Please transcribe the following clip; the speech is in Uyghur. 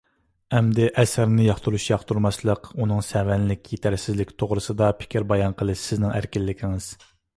ئەمدى ئەسەرنى ياقتۇرۇش – ياقتۇرماسلىق، ئۇنىڭ سەۋەنلىك، يېتەرسىزلىكى توغرىسىدا پىكىر بايان قىلىش سىزنىڭ ئەركىنلىكىڭىز.